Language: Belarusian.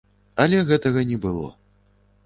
Але гэтага не было.